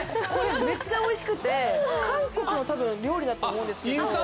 これめっちゃおいしくて韓国の多分料理だと思うんですけど。